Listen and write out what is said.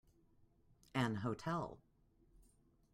An hotel.